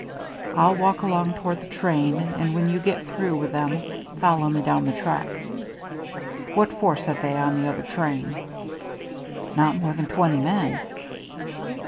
I'll walk along toward the train, and when you get through with them follow me down the track. What force have they on the other train?" "Not more than twenty men."